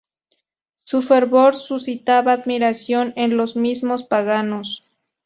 Su fervor suscitaba admiración en los mismos paganos.